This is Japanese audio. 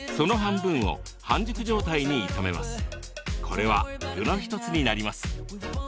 これは具の一つになります。